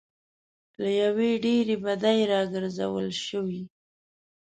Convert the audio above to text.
له یوې داسې بدۍ راګرځول شوي.